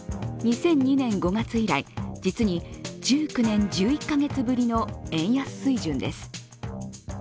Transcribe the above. ２００２年５月以来、実に１９年１１カ月ぶりの円安水準です。